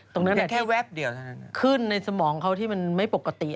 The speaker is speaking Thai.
ตรงนั้นแค่แว๊บเดียวขึ้นในสมองเขาที่มันไม่ปกติ